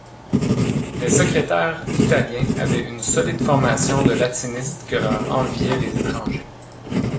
Les secrétaires italiens avaient une solide formation de latinistes que leur enviaient les étrangers.